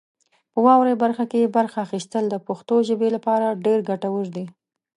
په واورئ برخه کې برخه اخیستل د پښتو ژبې لپاره ډېر ګټور دي.